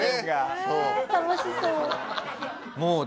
楽しそう。